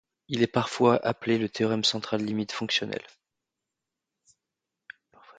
Il est parfois appelé le théorème central limite fonctionnel.